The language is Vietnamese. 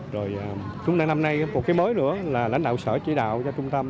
rồi chúng ta năm nay một cái mới nữa là lãnh đạo sở chỉ đạo cho trung tâm